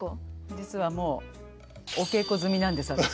実はもうお稽古済みなんです私。